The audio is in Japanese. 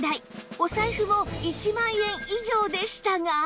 お財布も１万円以上でしたが